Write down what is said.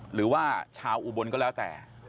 หรือว่าชาวอุบลก็แล้วแต่